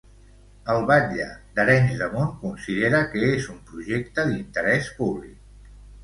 El batlle d'Arenys de Munt considera que és un projecte d'interès públic.